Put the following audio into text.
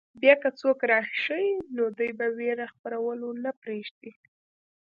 بیا که څوک راشي نو دوی په وېره خپرولو نه پرېږدي.